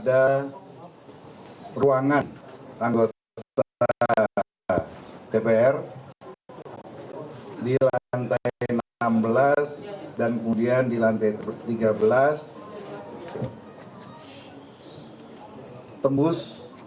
ada ruangan anggota dpr di lantai enam belas dan kemudian di lantai tiga belas tembus